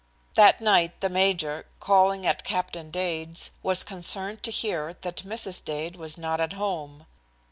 That night the major, calling at Captain Dade's, was concerned to hear that Mrs. Dade was not at home.